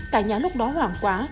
cả nhà lúc đó hoảng quá